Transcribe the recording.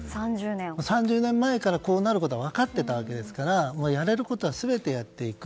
３０年前からこうなることは分かっていたわけですからやれることは全てやっていく。